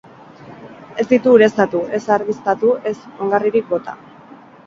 Ez ditu ureztatu, ez argiztatu, ez ongarririk bota.